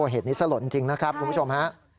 เหตุสนิทสะหร่นจริงนะครับคุณผู้ชม